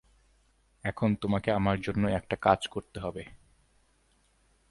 এখন, তোমাকে আমার জন্য একটা কাজ করতে হবে।